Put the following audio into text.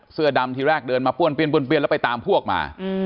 เสื้อดำทีแรกเดินมาป้วนเปลี่ยนแล้วไปตามพวกมา